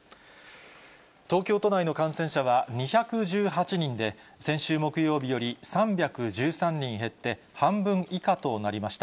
東京都内の感染者は２１８人で、先週木曜日より３１３人減って、半分以下となりました。